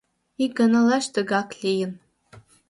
Ик гана лач тыгак лийын.